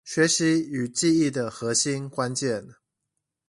學習與記憶的核心關鍵